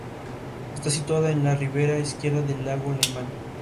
Se trata de uno de los castillos mejor conservados de la provincia.